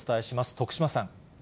徳島さん。